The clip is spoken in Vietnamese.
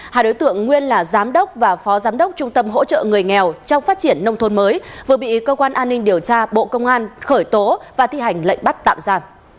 hai đối tượng nguyên là giám đốc và phó giám đốc trung tâm hỗ trợ người nghèo trong phát triển nông thôn mới vừa bị cơ quan an ninh điều tra bộ công an khởi tố và thi hành lệnh bắt tạm ra